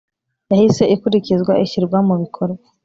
Yahise ikurikizwa ishyirwa mu bikorwa